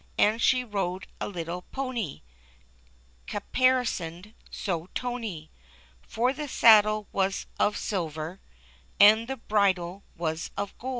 325 And she rode a little pony, Caparisoned so tony, For the saddle was of silver, and the bridle was of gold.